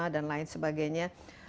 dan lain sebagainya